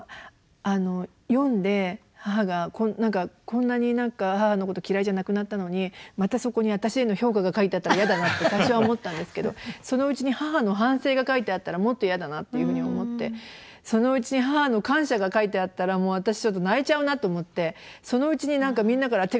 読んで母が何かこんなに母のこと嫌いじゃなくなったのにまたそこに私への評価が書いてあったら嫌だなって最初は思ったんですけどそのうちに母の反省が書いてあったらもっと嫌だなっていうふうに思ってそのうちに母の感謝が書いてあったらもう私ちょっと泣いちゃうなと思ってそのうちに何かみんなから「手紙どうしました？